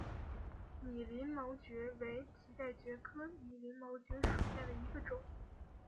拟鳞毛蕨为蹄盖蕨科拟鳞毛蕨属下的一个种。